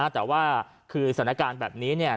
แต่ว่าคือสถานการณ์แบบนี้เนี่ย